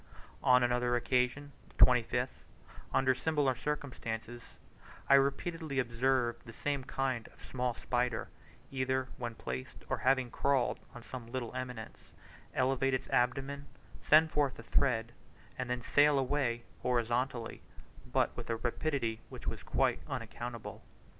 On another occasion (25th) under similar circumstances, I repeatedly observed the same kind of small spider, either when placed or having crawled on some little eminence, elevate its abdomen, send forth a thread, and then sail away horizontally, but with a rapidity which was quite unaccountable.